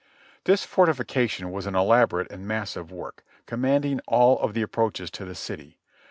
This fortification was an elaborate and massive work, com manding all of the approaches to the city.